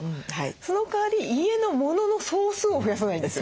そのかわり家のモノの総数を増やさないんです。